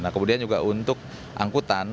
kemudian juga untuk angkutan